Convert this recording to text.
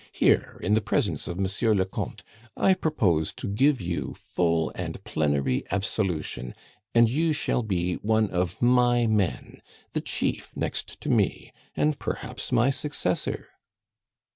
Here, in the presence of Monsieur le Comte, I propose to give you full and plenary absolution, and you shall be one of my men, the chief next to me, and perhaps my successor."